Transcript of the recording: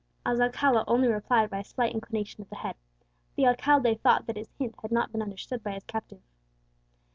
As Alcala only replied by a slight inclination of the head, the alcalde thought that his hint had not been understood by his captive.